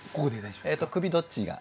首どっちが？